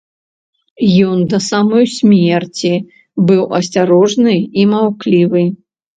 Ён да самай смерці быў асцярожны і маўклівы.